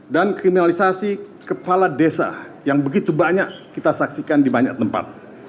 dan kriminalisasi kepala desa yang begitu banyak kita saksikan di banyak tempat